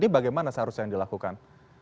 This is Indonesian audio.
bagaimana seharusnya dilakukan